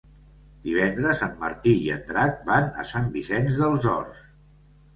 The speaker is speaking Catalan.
Divendres en Martí i en Drac van a Sant Vicenç dels Horts.